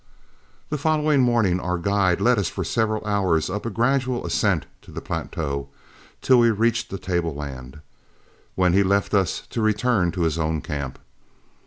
The following morning our guide led us for several hours up a gradual ascent to the plateau, till we reached the tableland, when he left us to return to his own camp.